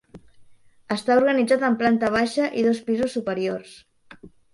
Està organitzat en planta baixa i dos pisos superiors.